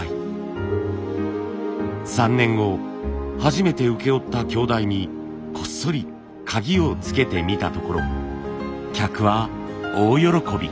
３年後初めて請け負った鏡台にこっそり鍵をつけてみたところ客は大喜び。